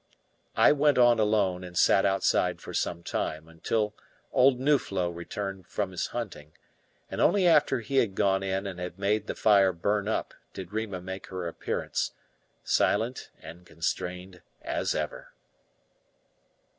I went on alone, and sat outside for some time, until old Nuflo returned from his hunting; and only after he had gone in and had made the fire burn up did Rima make her appearance, silent and constrained as ever.